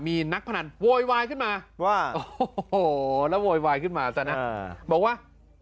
มีนักพนันโวยวายขึ้นมาว่าโอ้โหแล้วโวยวายขึ้นมาซะนะบอกว่า